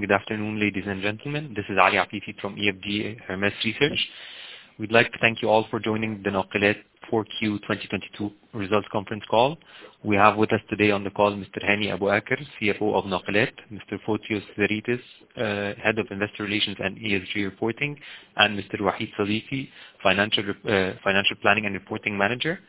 Good afternoon, ladies and gentlemen. This is Ali Afifi from EFG Hermes Research. We'd like to thank you all for joining the Nakilat 4Q 2022 results conference call. We have with us today on the call Mr. Hani Abuaker, CFO of Nakilat. Mr. Fotios Zeritis, Head of Investor Relations and ESG Reporting, and Mr. Waheed Sidiki, Financial Planning and Reporting Manager.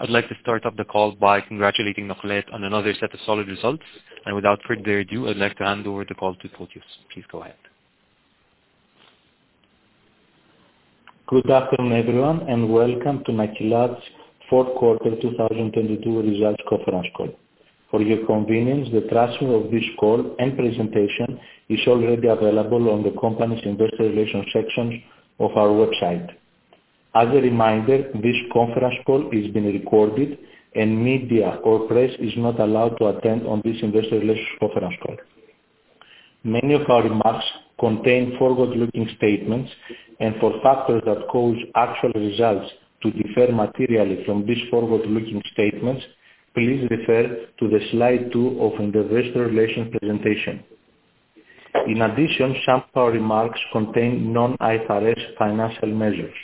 I'd like to start off the call by congratulating Nakilat on another set of solid results, and without further ado, I'd like to hand over the call to Fotios. Please go ahead. Good afternoon, everyone. Welcome to Nakilat's Q4 2022 results conference call. For your convenience, the transcript of this call and presentation is already available on the company's investor relations section of our website. As a reminder, this conference call is being recorded. Media or press is not allowed to attend on this investor relations conference call. Many of our remarks contain forward-looking statements. For factors that cause actual results to differ materially from these forward-looking statements, please refer to slide two of investor relations presentation. In addition, some of our remarks contain non-IFRS financial measures.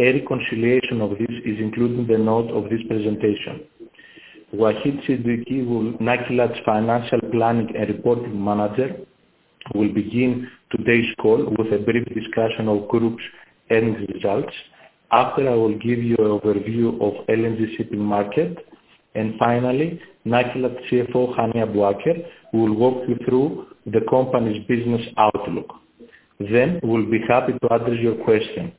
A reconciliation of this is included in the note of this presentation. Waheed Siddiqi, Nakilat's Financial Planning and Reporting Manager, will begin today's call with a brief discussion of group's earnings results. After, I will give you overview of LNG shipping market, and finally, Nakilat CFO, Hani Abuaker, will walk you through the company's business outlook. We'll be happy to address your question.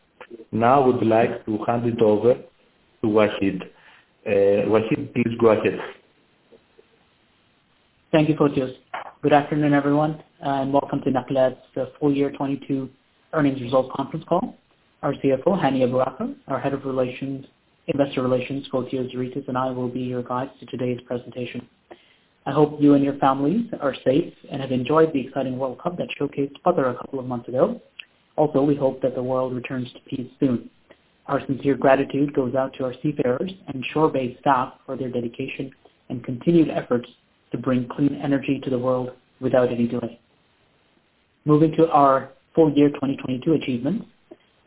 Now I would like to hand it over to Waheed. Waheed, please go ahead. Thank you, Fotios. Welcome to Nakilat's full year 22 earnings result conference call. Our CFO, Hani Abuaker, our Head of Investor Relations, Fotios Zeritis, I will be your guides to today's presentation. I hope you and your families are safe and have enjoyed the exciting World Cup that showcased Qatar a couple of months ago. We hope that the world returns to peace soon. Our sincere gratitude goes out to our seafarers and shore-based staff for their dedication and continued efforts to bring clean energy to the world without any delay. Moving to our full year 2022 achievements.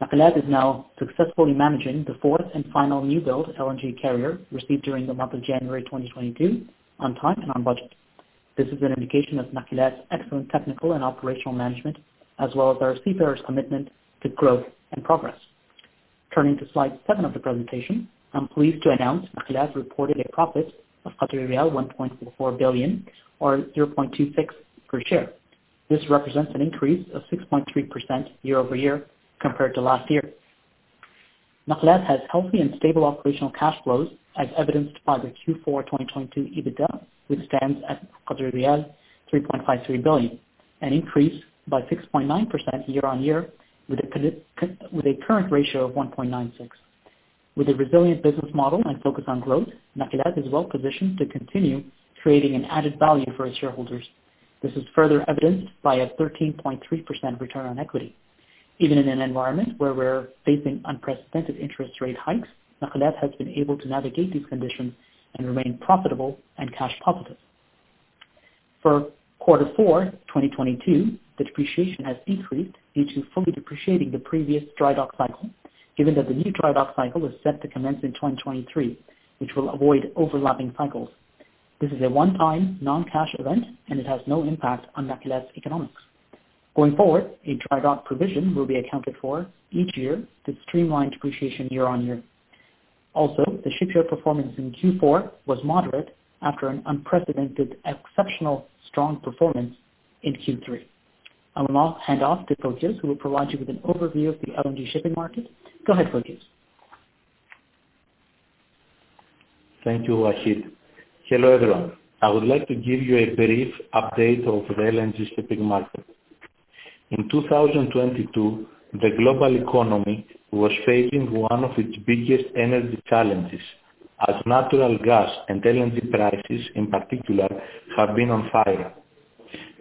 Nakilat is now successfully managing the fourth and final new build LNG carrier received during the month of January 2022 on time and on budget. This is an indication of Nakilat's excellent technical and operational management, as well as our seafarers' commitment to growth and progress. Turning to slide 7 of the presentation, I'm pleased to announce Nakilat reported a profit of 1.44 billion or 0.26 per share. This represents an increase of 6.3% quarter-over-quarter compared to last year. Nakilat has healthy and stable operational cash flows, as evidenced by the Q4 2022 EBITDA, which stands at riyal 3.53 billion, an increase by 6.9% year-on-year with a current ratio of 1.96. With a resilient business model and focus on growth, Nakilat is well positioned to continue creating an added value for its shareholders. This is further evidenced by a 13.3% return on equity. Even in an environment where we're facing unprecedented interest rate hikes, Nakilat has been able to navigate these conditions and remain profitable and cash positive. For Q4 2022, the depreciation has decreased due to fully depreciating the previous drydock cycle, given that the new drydock cycle is set to commence in 2023, which will avoid overlapping cycles. This is a one-time non-cash event and it has no impact on Nakilat's economics. Going forward, a drydock provision will be accounted for each year to streamline depreciation year-on-year. The shipyard performance in Q4 was moderate after an unprecedented exceptional strong performance in Q3. I will now hand off to Fotios who will provide you with an overview of the LNG shipping market. Go ahead, Fotios. Thank you, Wahid. Hello, everyone. I would like to give you a brief update of the LNG shipping market. In 2022, the global economy was facing one of its biggest energy challenges, as natural gas and LNG prices in particular have been on fire.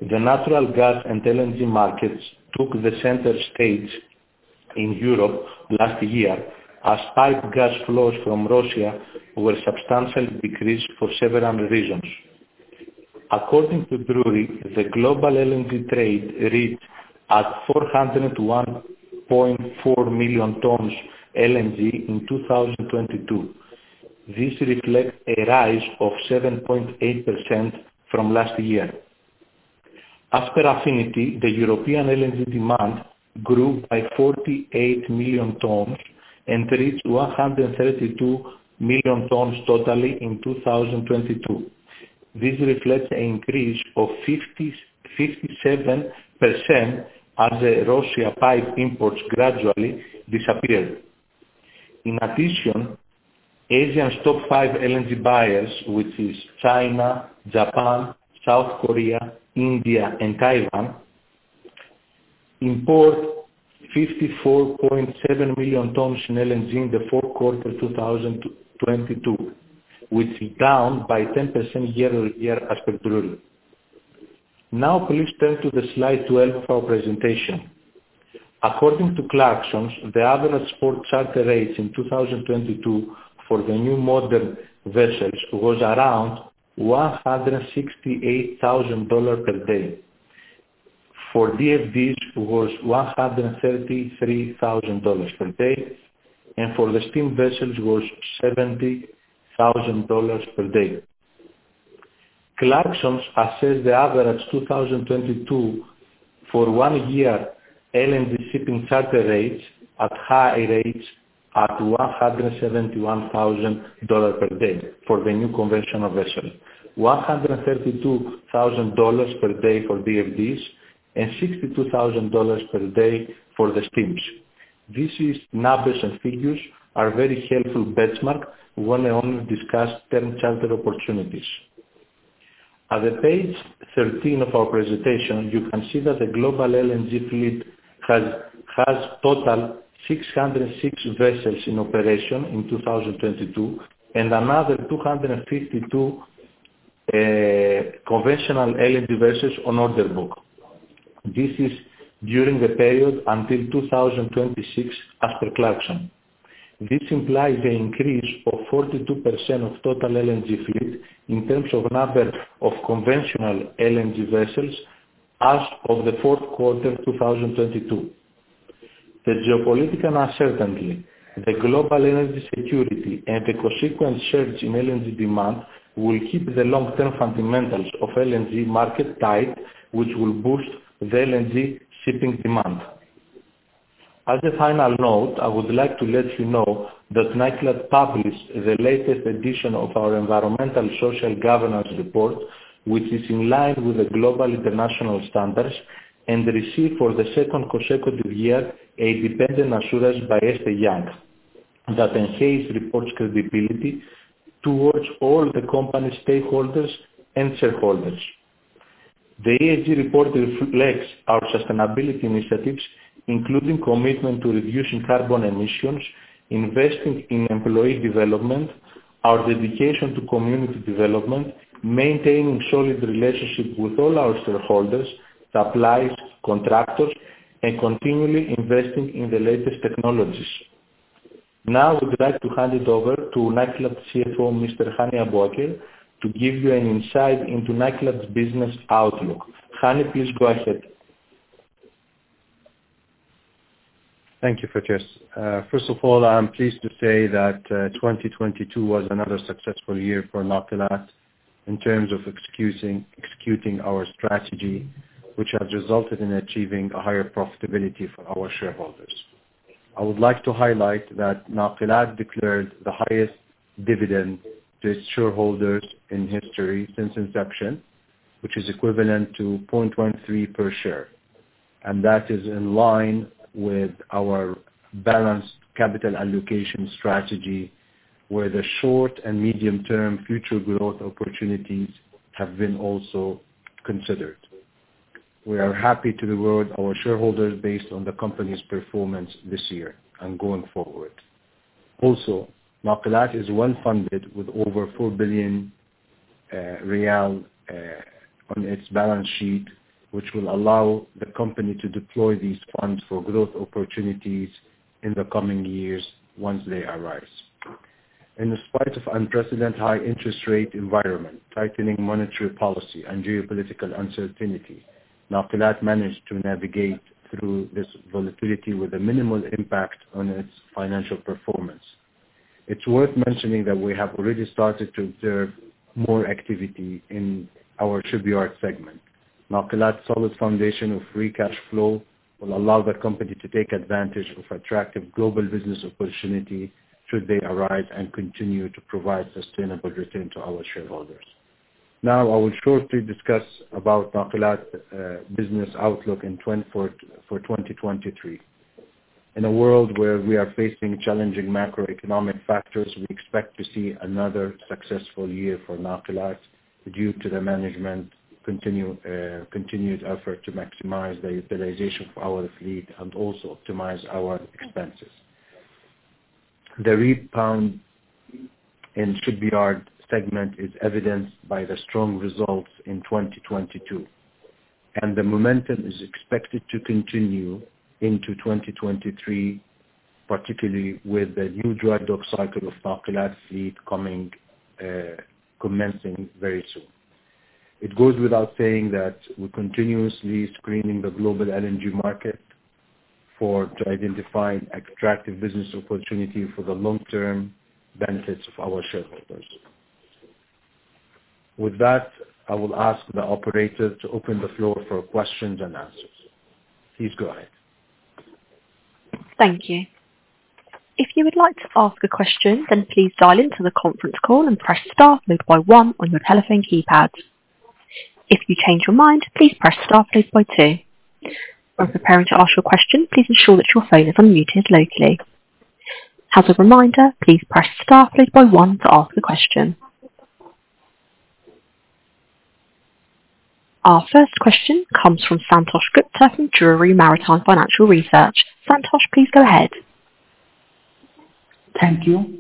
The natural gas and LNG markets took the center stage in Europe last year as pipe gas flows from Russia were substantially decreased for several reasons. According to Drewry, the global LNG trade reached at 401.4 million tons LNG in 2022. This reflects a rise of 7.8% from last year. As per Affinity, the European LNG demand grew by 48 million tons and reached 132 million tons totally in 2022. This reflects an increase of 57% as the Russia pipe imports gradually disappeared. In addition, Asia's top five LNG buyers, which is China, Japan, South Korea, India, and Taiwan, import 54.7 million tons in LNG in the Q4 2022, which is down by 10% quarter-over-quarter as per Drewry. Please turn to the slide 12 for our presentation. According to Clarksons, the average port charter rates in 2022 for the new modern vessels was around $168,000 per day. For VFDs was $133,000 per day, and for the steam vessels was $70,000 per day. Clarksons assessed the average 2022 for 1 year LNG shipping charter rates at high rates at $171,000 per day for the new conventional vessels, $132,000 per day for VFDs and $62,000 per day for the steams. These numbers and figures are very helpful benchmark when and only discuss term charter opportunities. At the page 13 of our presentation, you can see that the global LNG fleet has total 606 vessels in operation in 2022 and another 252 conventional LNG vessels on order book. This is during the period until 2026 after Clarksons. This implies the increase of 42% of total LNG fleet in terms of number of conventional LNG vessels as of the Q4 2022. The geopolitical uncertainty, the global energy security and the consequent surge in LNG demand will keep the long-term fundamentals of LNG market tight, which will boost the LNG shipping demand. As a final note, I would like to let you know that Nakilat published the latest edition of our Environmental Social Governance report, which is in line with the global international standards and received for the second consecutive year a independent assurance by Ernst & Young that enhance report's credibility towards all the company stakeholders and shareholders. The ESG report reflects our sustainability initiatives, including commitment to reducing carbon emissions, investing in employee development, our dedication to community development, maintaining solid relationship with all our shareholders, suppliers, contractors, and continually investing in the latest technologies. Now I would like to hand it over to Nakilat CFO, Mr. Hani Abuaker, to give you an insight into Nakilat business outlook. Hani, please go ahead. Thank you, Fotios. First of all, I am pleased to say that 2022 was another successful year for Nakilat in terms of executing our strategy, which has resulted in achieving a higher profitability for our shareholders. I would like to highlight that Nakilat declared the highest dividend to its shareholders in history since inception, which is equivalent to 0.13 per share. That is in line with our balanced capital allocation strategy, where the short and medium term future growth opportunities have been also considered. We are happy to reward our shareholders based on the company's performance this year and going forward. Nakilat is well funded with over 4 billion riyal on its balance sheet, which will allow the company to deploy these funds for growth opportunities in the coming years once they arise. In spite of unprecedented high interest rate environment, tightening monetary policy and geopolitical uncertainty, Nakilat managed to navigate through this volatility with a minimal impact on its financial performance. It's worth mentioning that we have already started to observe more activity in our shipyard segment. Nakilat solid foundation of free cash flow will allow the company to take advantage of attractive global business opportunity should they arise and continue to provide sustainable return to our shareholders. I will shortly discuss about Nakilat business outlook for 2023. In a world where we are facing challenging macroeconomic factors, we expect to see another successful year for Nakilat due to the management continued effort to maximize the utilization of our fleet and also optimize our expenses. The rebound in shipyard segment is evidenced by the strong results in 2022, and the momentum is expected to continue into 2023, particularly with the new drydock cycle of Nakilat fleet coming, commencing very soon. It goes without saying that we continuously screening the global LNG market to identify attractive business opportunity for the long-term benefits of our shareholders. With that, I will ask the operator to open the floor for questions and answers. Please go ahead. Thank you. If you would like to ask a question, then please dial into the conference call and press star followed by one on your telephone keypad. If you change your mind, please press star followed by two. When preparing to ask your question, please ensure that your phone is unmuted locally. As a reminder, please press star followed by one to ask a question. Our first question comes from Santosh Gupta from Drewry Maritime Financial Research. Santosh, please go ahead. Thank you.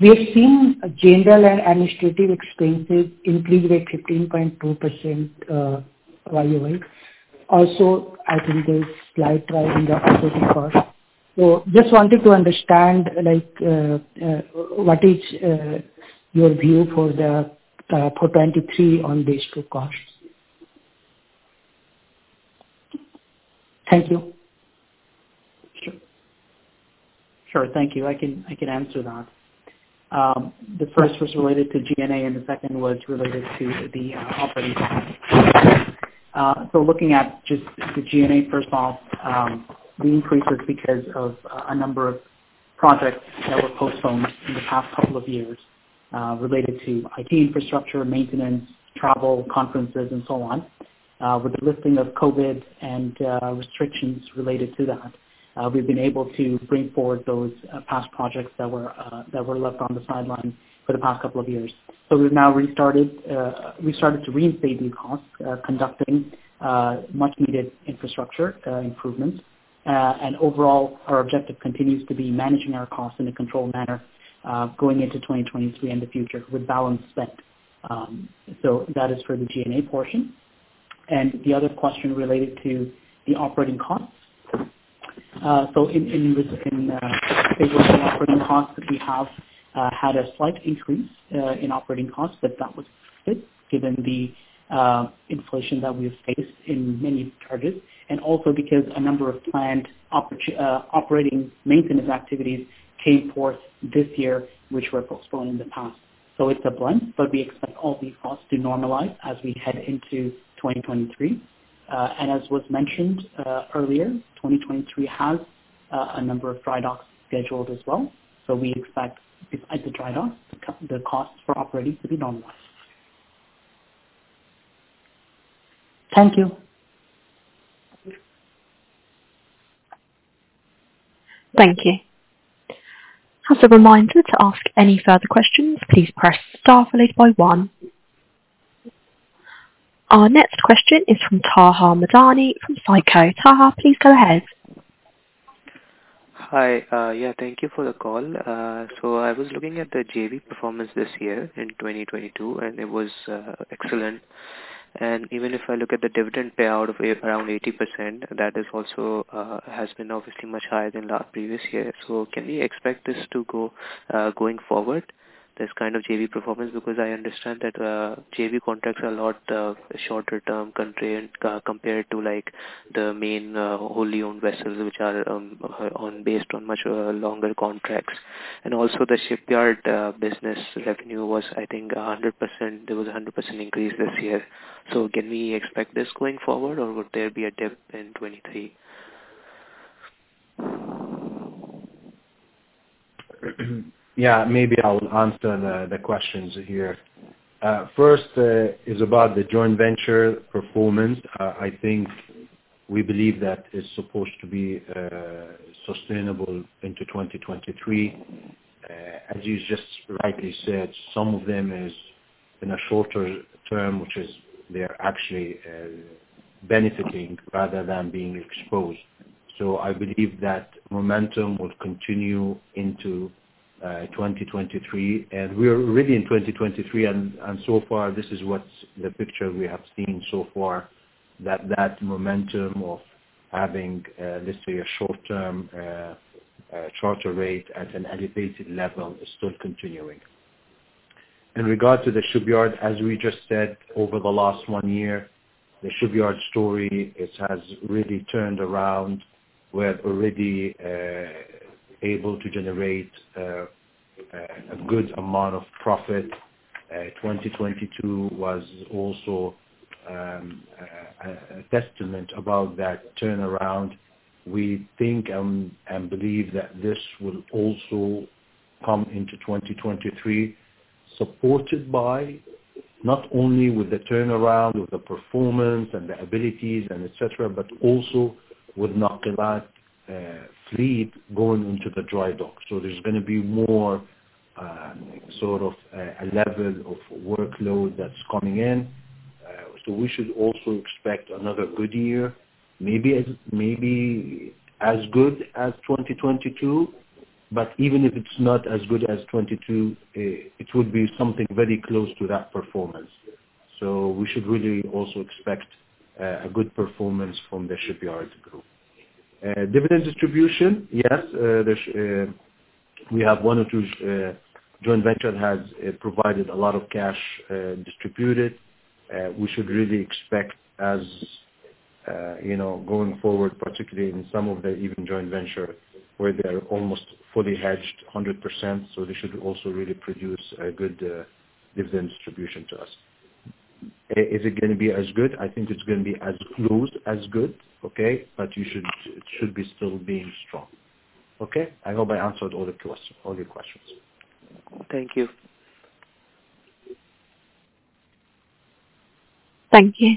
We've seen General and Administrative expenses increase by 15.2%, YoY. Also, I think there's slight rise in the operating cost. Just wanted to understand, like, what is your view for the for 2023 on these two costs. Thank you. Sure. Thank you. I can answer that. The first was related to G&A and the second was related to the operating costs. Looking at just the G&A, first of all, the increase is because of a number of projects that were postponed in the past couple of years, related to IT infrastructure, maintenance, travel, conferences and so on. With the lifting of COVID and restrictions related to that, we've been able to bring forward those past projects that were left on the sideline for the past couple of years. We started to reinstate these costs, conducting much needed infrastructure improvements. Overall our objective continues to be managing our costs in a controlled manner, going into 2023 and the future with balanced spend. That is for the G&A portion. The other question related to the operating costs. In operating costs, we have had a slight increase in operating costs, but that was expected given the inflation that we have faced in many charges and also because a number of planned operating maintenance activities came forth this year, which were postponed in the past. It's a blend, but we expect all these costs to normalize as we head into 2023. As was mentioned earlier, 2023 has a number of drydocks scheduled as well. We expect at the drydock, the costs for operating to be normalized. Thank you. Thank you. As a reminder to ask any further questions, please press star followed by one. Our next question is from Taha Madani, from uncertain. Taha, please go ahead. Hi. Yeah, thank you for the call. I was looking at the JV performance this year in 2022, and it was excellent. Even if I look at the dividend payout of around 80%, that is also has been obviously much higher than last previous year. Can we expect this to go going forward, this kind of JV performance? I understand that JV contracts are a lot shorter term compared to like the main wholly owned vessels which are based on much longer contracts. Also the shipyard business revenue was, I think 100%. There was a 100% increase this year. Can we expect this going forward or would there be a dip in 2023? Yeah, maybe I'll answer the questions here. First, is about the joint venture performance. I think we believe that it's supposed to be sustainable into 2023. As you just rightly said, some of them is in a shorter term, which is they're actually benefiting rather than being exposed. I believe that momentum will continue into 2023, and we're already in 2023. So far this is what's the picture we have seen so far that momentum of having, let's say a short-term charter rate at an elevated level is still continuing. In regards to the shipyard, as we just said over the last one year, the shipyard story, it has really turned around. We are already able to generate a good amount of profit. 2022 was also a testament about that turnaround. We think and believe that this will also come into 2023, supported by not only with the turnaround, with the performance and the abilities and et cetera, but also with Nakilat fleet going into the drydock. There's gonna be more sort of a level of workload that's coming in. We should also expect another good year, maybe as good as 2022, but even if it's not as good as '22, it would be something very close to that performance. We should really also expect a good performance from the shipyard group. Dividend distribution, yes. We have one or two joint venture has provided a lot of cash distributed. We should really expect as, you know, going forward, particularly in some of the even joint venture where they're almost fully hedged 100%. They should also really produce a good dividend distribution to us. Is it gonna be as good? I think it's gonna be as close as good. Okay? You should, it should be still being strong. Okay? I hope I answered all your questions. Thank you. Thank you.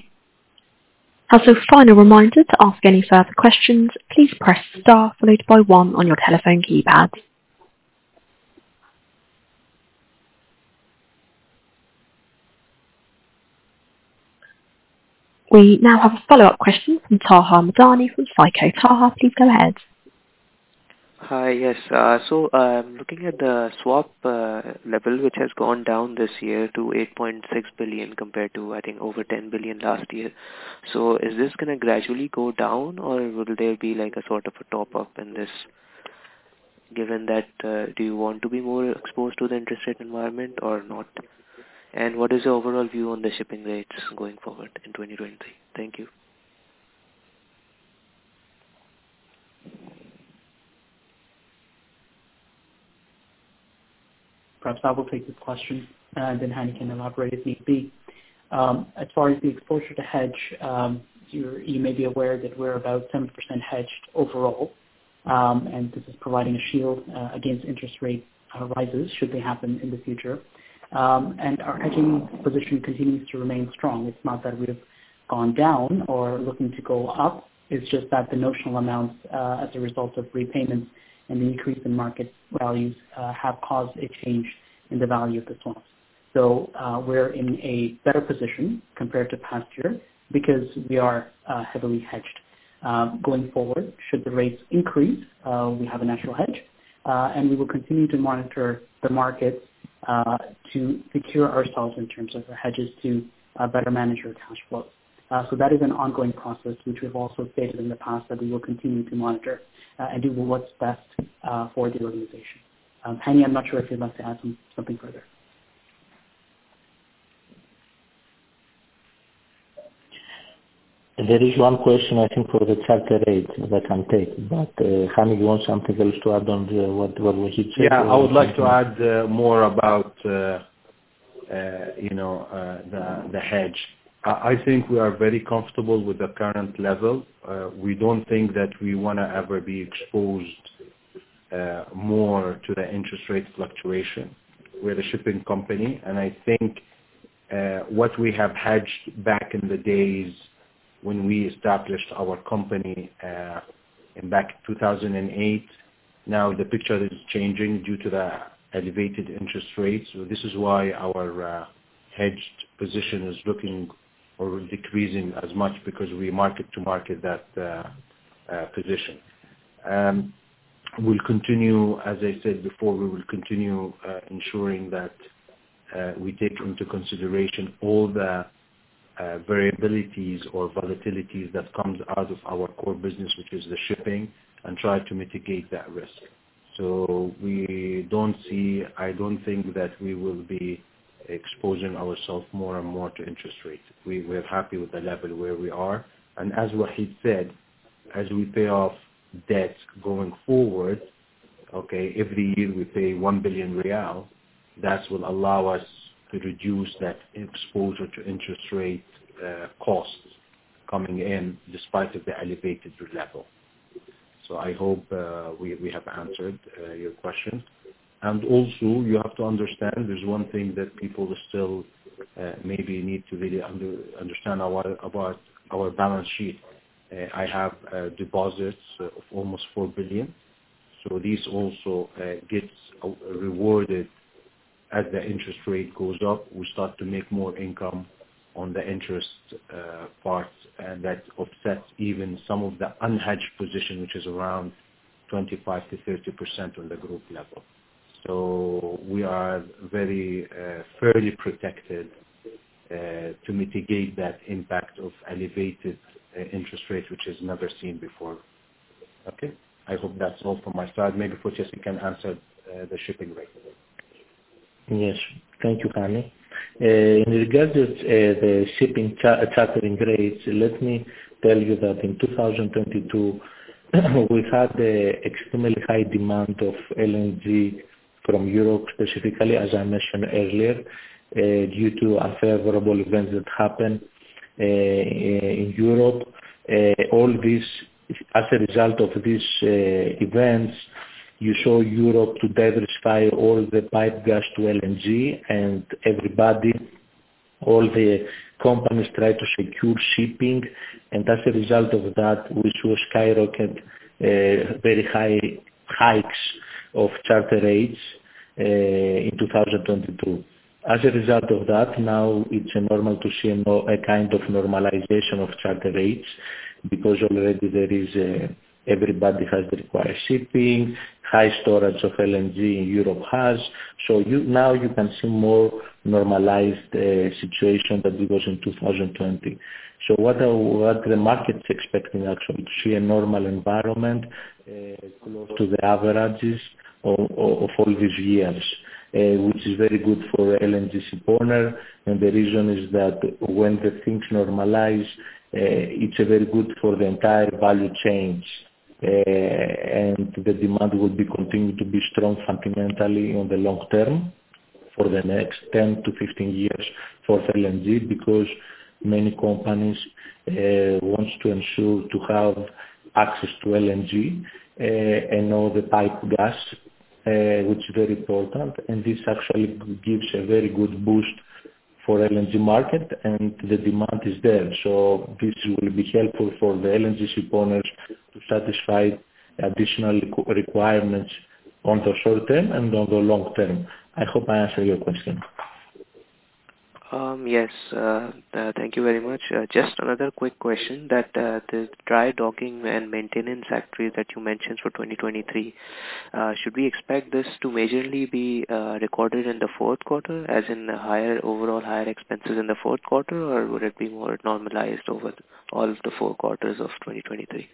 As a final reminder to ask any further questions, please press star followed by one on your telephone keypad. We now have a follow-up question from Taha Madani from Phico. Taha, please go ahead. Hi. Yes. Looking at the swap level, which has gone down this year to 8.6 billion compared to, I think, over 10 billion last year. Is this gonna gradually go down or will there be like a sort of a top-up in this, given that, do you want to be more exposed to the interest rate environment or not? What is your overall view on the shipping rates going forward in 2023? Thank you. Perhaps I will take this question, and then Hani can elaborate if need be. As far as the exposure to hedge, you may be aware that we're about 10% hedged overall. This is providing a shield against interest rate rises should they happen in the future. Our hedging position continues to remain strong. It's not that we have gone down or looking to go up, it's just that the notional amounts, as a result of repayments and the increase in market values, have caused a change in the value of the loans. We're in a better position compared to past year because we are heavily hedged. Going forward, should the rates increase, we have a natural hedge, and we will continue to monitor the market to secure ourselves in terms of the hedges to better manage our cash flow. So that is an ongoing process, which we've also stated in the past that we will continue to monitor and do what's best for the organization. Hani, I'm not sure if you'd like to add something further. There is one question I think for the charter rate that I'll take, but, Hani, you want something else to add on the, what Wahid said? I would like to add more about, you know, the hedge. I think we are very comfortable with the current level. We don't think that we wanna ever be exposed more to the interest rate fluctuation. We're a shipping company. I think what we have hedged back in the days when we established our company in back 2008, now the picture is changing due to the elevated interest rates. This is why our hedged position is looking or decreasing as much because we mark to market that position. We'll continue, as I said before, we will continue ensuring that we take into consideration all the variabilities or volatilities that comes out of our core business, which is the shipping, try to mitigate that risk. We don't see... I don't think that we will be exposing ourself more and more to interest rates. We're happy with the level where we are. As Wahid said, as we pay off debts going forward, okay, every year we pay 1 billion riyal, that will allow us to reduce that exposure to interest rate costs coming in despite of the elevated level. I hope we have answered your question. Also, you have to understand there's one thing that people still maybe need to really understand a lot about our balance sheet. I have deposits of almost 4 billion, so this also gets rewarded as the interest rate goes up. We start to make more income on the interest parts, and that offsets even some of the unhedged position, which is around 25%-30% on the group level. We are very fairly protected to mitigate that impact of elevated interest rates, which is never seen before. Okay? I hope that's all from my side. Maybe Fotios can answer the shipping rate as well. Yes. Thank you, Hani. In regards with the shipping chartering rates, let me tell you that in 2022, we had extremely high demand of LNG from Europe specifically, as I mentioned earlier, due to unfavorable events that happened in Europe. All this, as a result of these events, you saw Europe to diversify all the pipe gas to LNG and everybody, all the companies tried to secure shipping. As a result of that, we saw skyrocketed, very high hikes of charter rates in 2022. As a result of that, now it's normal to see a kind of normalization of charter rates because already there is everybody has the required shipping, high storage of LNG Europe has. Now you can see more normalized situation than it was in 2020. What the market's expecting actually to see a normal environment, close to the averages of all these years, which is very good for LNG supplier. The reason is that when the things normalize, it's very good for the entire value chains. The demand will be continued to be strong fundamentally on the long term for the next 10-15 years for LNG because many companies, wants to ensure to have access to LNG, and all the pipe gas, which is very important, and this actually gives a very good boost for LNG market and the demand is there. This will be helpful for the LNG suppliers to satisfy additional co-requirements on the short term and on the long term. I hope I answered your question. Yes. Thank you very much. Just another quick question that the dry docking and maintenance activity that you mentioned for 2023, should we expect this to majorly be recorded in the Q4 as in higher, overall higher expenses in the Q4? Would it be more normalized over all of the Q4 of 2023?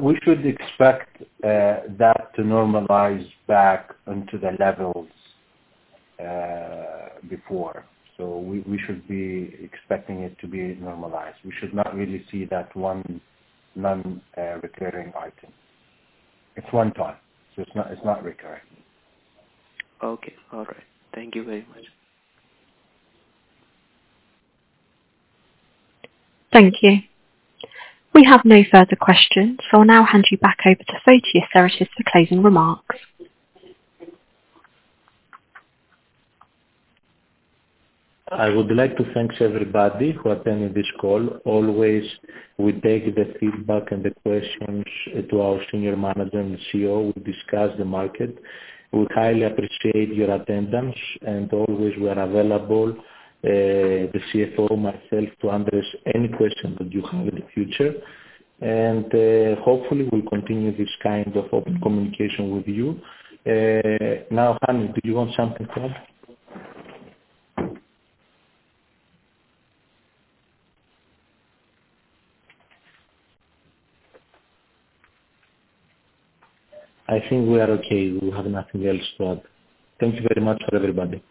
We should expect that to normalize back into the levels before. We should be expecting it to be normalized. We should not really see that one non-recurring item. It's one time, so it's not recurring. Okay. All right. Thank you very much. Thank you. We have no further questions. I'll now hand you back over to Fotios Zeritis for closing remarks. I would like to thanks everybody who attended this call. Always we take the feedback and the questions to our senior management CEO. We discuss the market. We highly appreciate your attendance and always we're available, the CFO, myself, to address any question that you have in the future. Hopefully we'll continue this kind of open communication with you. Now, Hani, do you want something to add? I think we are okay. We have nothing else to add. Thank you very much for everybody.